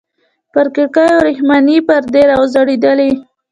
پر کړکيو ورېښمينې پردې راځړېدلې.